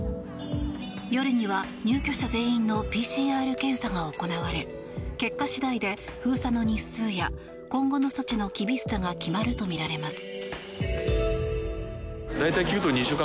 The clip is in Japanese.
夜には入居者全員のＰＣＲ検査が行われ結果次第で封鎖の日数や今後の措置の厳しさが決まるとみられます。